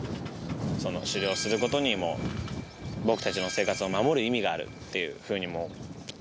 狩漁する事にも僕たちの生活を守る意味があるっていう風にも思うので。